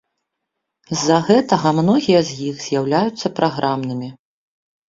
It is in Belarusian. З-за гэтага многія з іх з'яўляюцца праграмнымі.